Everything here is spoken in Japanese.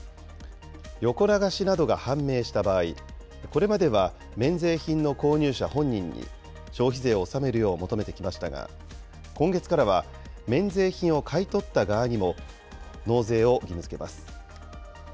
横流しなどが判明した場合、これまでは免税品の購入者本人に消費税を納めるよう求めてきましたが、今月からは免税品を買い取った側にも、納税を義務づけます。